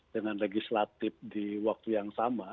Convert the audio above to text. dengan legislatif di waktu yang sama